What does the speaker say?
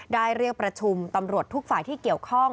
เรียกประชุมตำรวจทุกฝ่ายที่เกี่ยวข้อง